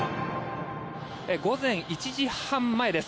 午前１時半前です。